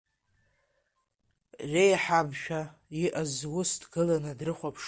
Реиҳабшәа иҟаз ус дгыланы дрыхәаԥшуан…